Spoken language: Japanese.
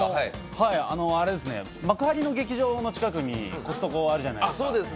幕張の劇場の近くにコストコがあるじゃないですか。